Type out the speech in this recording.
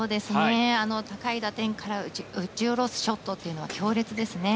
高い打点から打ち下ろすショットは強烈ですね。